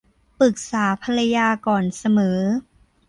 ปรึกษาภรรยาก่อนเสมอ